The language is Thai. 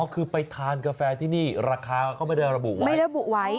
อ๋อคือไปทานกาแฟที่นี่ราคาก็ไม่ได้ระบุไว้